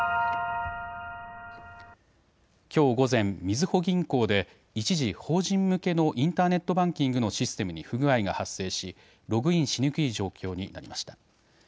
きょう午前、みずほ銀行で一時、法人向けのインターネットバンキングのシステムに不具合が発生しログインしにくい状況になりました。